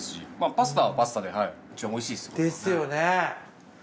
パスタはパスタでもちろんおいしいです。ですよね！